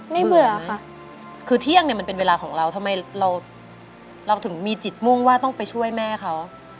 เบื่อค่ะคือเที่ยงเนี่ยมันเป็นเวลาของเราทำไมเราถึงมีจิตมุ่งว่าต้องไปช่วยแม่เขา